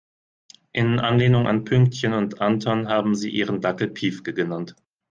In Anlehnung an Pünktchen und Anton haben sie ihren Dackel Piefke genannt.